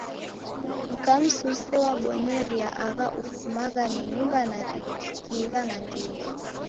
Mka msuse wabonyeria aha ufumagha ni nyumba ya kikiw'a nandighi.